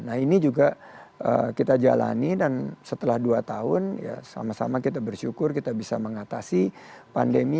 nah ini juga kita jalani dan setelah dua tahun ya sama sama kita bersyukur kita bisa mengatasi pandemi